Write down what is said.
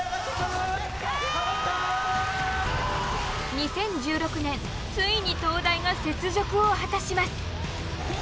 ２０１６年ついに東大が雪辱を果たします。